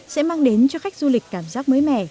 sẽ mang đến cho khách du lịch cảm giác mới mẻ